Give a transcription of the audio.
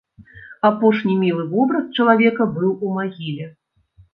Апошні мілы вобраз чалавека быў у магіле.